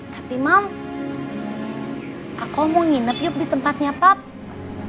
tapi moms aku mau nginep yuk di tempatnya paps